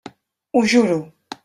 Ho juro.